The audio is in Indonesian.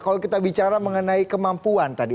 kalau kita bicara mengenai kemampuan tadi